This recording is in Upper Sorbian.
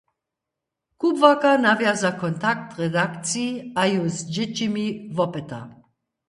Kubłarka nawjaza kontakt k redakciji a ju z dźěćimi wopyta.